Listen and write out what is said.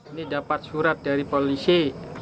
ini dapat surat dari polisi